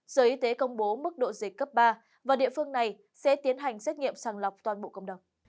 sở y tế công bố mức độ dịch cấp ba và địa phương này sẽ tiến hành xét nghiệm sàng lọc toàn bộ cộng đồng